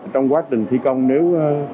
trong quá trình thi công nếu